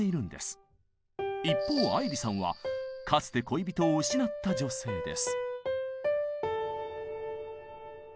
一方愛理さんはかつて恋人を失った女性です。